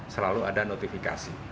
selalu ada notifikasi